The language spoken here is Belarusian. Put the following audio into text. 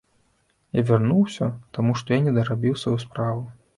Я вярнуся, таму што я не дарабіў сваю справу.